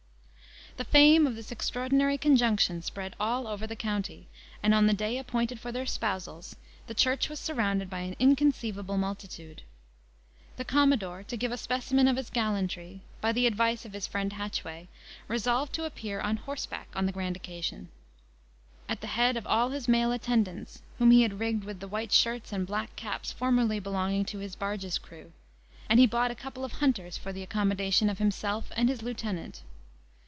The fame of this extraordinary conjunction spread all over the county; and, on the day appointed for their spousals, the church was surrounded by an inconceivable multitude. The commodore, to give a specimen of his gallantry, by the advice of his friend Hatchway, resolved to appear on horseback on the grand occasion, at the head of all his male attendants, whom he had rigged with the white shirts and black caps formerly belonging to his barge's crew; and he bought a couple of hunters for the accommodation of himself and his lieutenant.